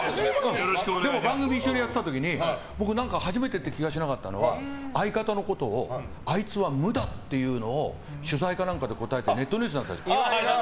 番組一緒にやってた時に初めてっていう気がしなかったのが相方のことをあいつは無だっていうのを取材か何かで答えてネットニュースになったでしょ。